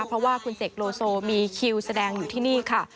เพราะว่าคุณเสกโลโซมีคิวแสดงอยู่ที่นี่ค่ะ